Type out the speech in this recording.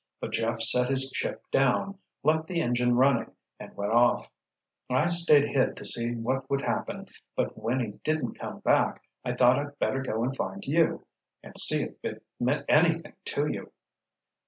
But Jeff set his ship down, left the engine running, and went off. I stayed hid to see what would happen, but when he didn't come back, I thought I'd better go and find you—and see if it meant anything to you."